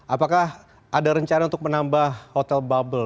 apakah ada rencana untuk menambah hotel bubble